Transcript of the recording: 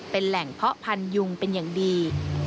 เป็นแหล่งเพาะพันธุยุงเป็นอย่างดี